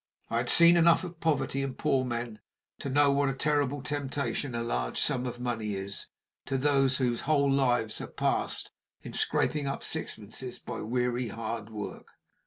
I had seen enough of poverty and poor men to know what a terrible temptation a large sum of money is to those whose whole lives are passed in scraping up sixpences by weary hard work.